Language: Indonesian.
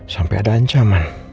sampai ada ancaman